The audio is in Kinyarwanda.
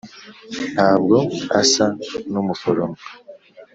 ntabwo asa n'umuforomo